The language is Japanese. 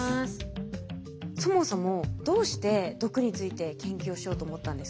そもそもどうして毒について研究をしようと思ったんですか？